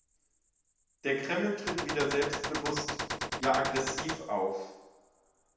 Der Kreml tritt wieder selbstbewusst, ja aggressiv auf.